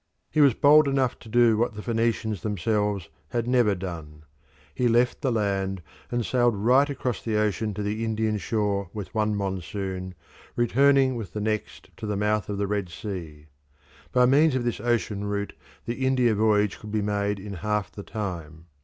He was bold enough to do what the Phoenicians themselves had never done. He left the land and sailed right across the ocean to the Indian shore with one monsoon, returning with the next to the mouth of the Red Sea. By means of this ocean route the India voyage could be made in half the time.